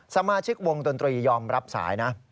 สมาชิกวงดนตรียอมรับสายนะ